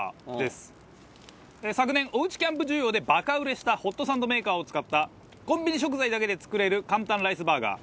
昨年、おうちキャンプ需要でバカ売れしたホットサンドメーカーを使ったコンビニ食材だけで作れる簡単ライスバーガー。